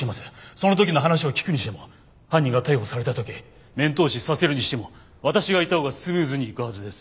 その時の話を聞くにしても犯人が逮捕された時面通しさせるにしても私がいたほうがスムーズにいくはずです。